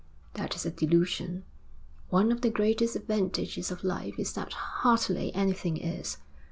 That is a delusion. One of the greatest advantages of life is that hardly anything is.